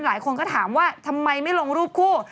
หลายคนก็ถามว่าทำไมไม่ลงรูปคู่